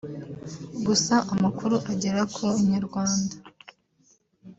gusa amakuru agera ku Inyarwanda